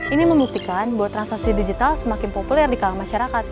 ini membuktikan bahwa transaksi digital semakin populer di kalangan masyarakat